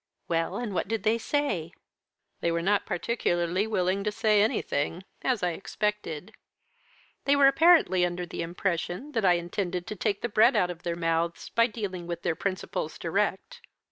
"Well, and what did they say?" "They were not particularly willing to say anything as I expected. They were apparently under the impression that I intended to take the bread out of their mouths, by dealing with their principals direct.